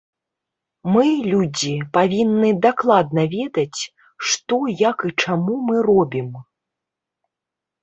Мы, людзі, павінны дакладна ведаць, што, як і чаму мы робім.